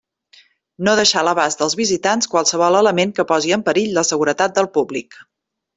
No deixar a l'abast dels visitants qualsevol element que posi en perill la seguretat del públic.